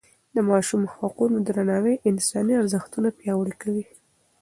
د ماشوم حقونو درناوی انساني ارزښتونه پیاوړي کوي.